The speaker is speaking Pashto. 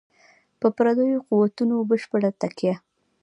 پر پردیو قوتونو بشپړه تکیه.